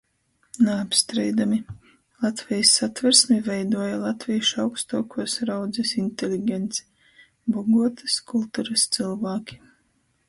Naapstreidomi: Latvejis Satversmi veiduoja latvīšu augstuokuos raudzis inteligence, boguotys kulturys cylvāki.